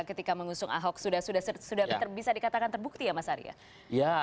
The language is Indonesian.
ketika mengusung ahok sudah bisa dikatakan terbukti ya mas arya